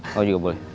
kamu juga boleh